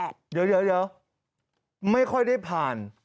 เดี๋ยวไม่ค่อยได้ผ่าน